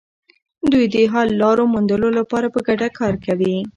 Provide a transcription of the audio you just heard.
دوی د حل لارو موندلو لپاره په ګډه کار کوي.